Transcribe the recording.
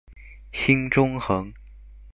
新中橫